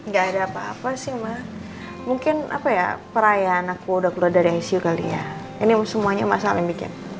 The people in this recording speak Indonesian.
gak ada apa apa sih mbak mungkin apa ya perayaan aku udah keluar dari icu kali ya ini semuanya masalah yang bikin